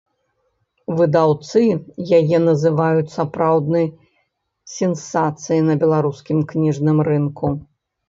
Выдаўцы яе называюць сапраўднай сенсацыяй на беларускім кніжным рынку.